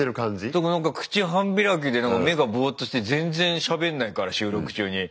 だからなんか口半開きでなんか目がボーッとして全然しゃべんないから収録中に。